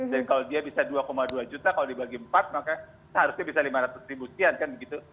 jadi kalau dia bisa dua dua juta kalau dibagi empat maka seharusnya bisa lima ratus ribu tiang kan begitu